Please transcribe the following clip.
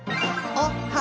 おっは！